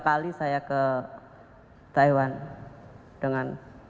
waktu itu saya tiga kali saya ke taiwan dengan pak teddy